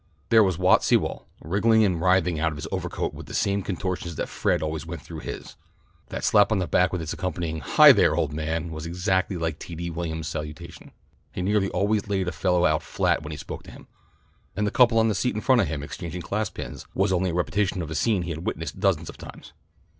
There was Wat Sewall wriggling and writhing out of his overcoat with the same contortions that Fred always went through with. That slap on the back with its accompanying "Hi, there, old man," was exactly like T. D. Williams' salutation. He nearly always laid a fellow out flat when he spoke to him. And the couple on the seat in front of him, exchanging class pins, was only a repetition of a scene he had witnessed dozens of times.